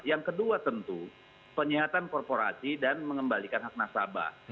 yang kedua tentu penyihatan korporasi dan mengembalikan hak nasabah